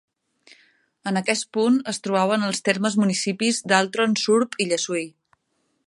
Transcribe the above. En aquest punt es trobaven els termes municipis d'Altron, Surp i Llessui.